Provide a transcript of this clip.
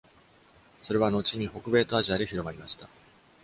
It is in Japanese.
それは後に北米とアジアで広まりました。